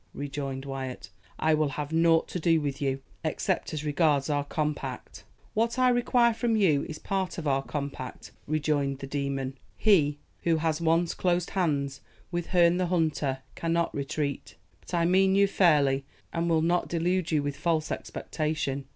rejoined Wyat. "I will have nought to do with you, except as regards our compact." "What I require from you is part of our compact," rejoined the demon. "He who has once closed hands with Herne the Hunter cannot retreat. But I mean you fairly, and will not delude you with false expectation.